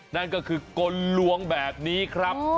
นั่นก็คือกลลวงแบบนี้ครับ